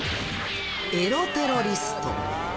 エロテロリスト。